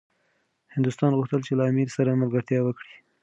هندوستان غوښتل چي له امیر سره ملګرتیا وکړي.